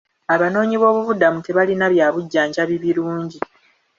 Abanoonyiboobubudamu tebalina bya bujjanjabi birungi.